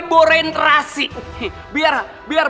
dikorek terasi biar